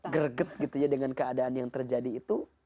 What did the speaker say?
greget gitu ya dengan keadaan yang terjadi itu